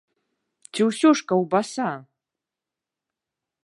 Ці ўсё ж каўбаса?